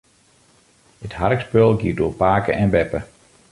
It harkspul giet oer pake en beppe.